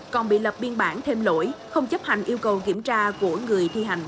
còn bị lập biên bản thêm lỗi không chấp hành yêu cầu kiểm tra của người thi hành